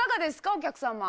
お客様。